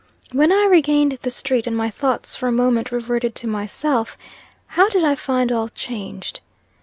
When I regained the street, and my thoughts for a moment reverted to myself, how did I find all changed?